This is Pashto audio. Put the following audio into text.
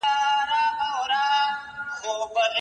څېړونکی د متن ژبه څنګه بدلوي؟